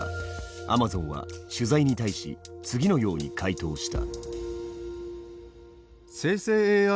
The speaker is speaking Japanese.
ａｍａｚｏｎは取材に対し次のように回答した。